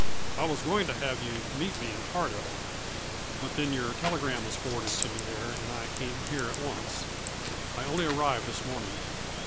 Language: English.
I was going to have you meet me in Hardup; but then your telegram was forwarded to me there and I came on here at once. I only arrived this morning.